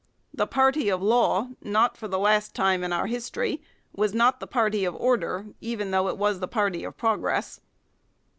The party of law, not for the last time in our history, was not the party of order, even though it was the party of progress.